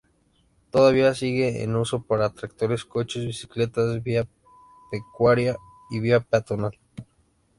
Todavía sigue en uso para tractores, coches, bicicletas, vía pecuaria y vía peatonal.